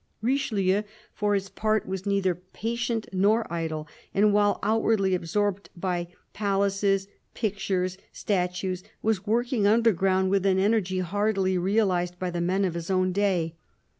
Richelieu, for his part, was neither patient nor idle, and while outwardly absorbed by palaces, pictures, statues, was working underground with an energy hardly realised by the men of his own day.